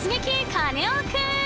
カネオくん！